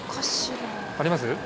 あります？